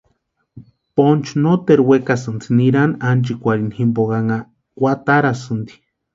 Ponchu noteru wekasïnti nirani ánchikwarhini jimponha kwatarasïnti.